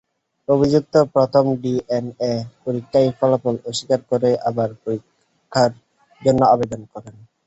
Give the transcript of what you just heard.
অভিযুক্ত প্রথম ডিএনএ পরীক্ষার ফলাফল অস্বীকার করে আবার পরীক্ষার জন্য আবেদন করেন।